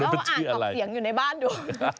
ออกเสียงอยู่ในบ้านดู